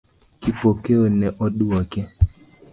Kipokeo ne oduoke.